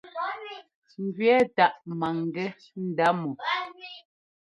Ŋjʉɛ́ táʼ maŋgɛ́ ndá mɔ.